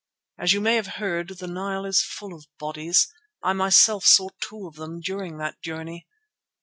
As you may have heard, the Nile is full of bodies. I myself saw two of them during that journey.